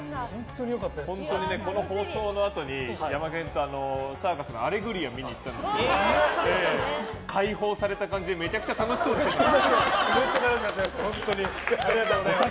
この放送のあとにヤマケンとサーカスの「アレグリア」を見に行ったんですが解放された感じでめちゃくちゃ楽しそうでしたよ。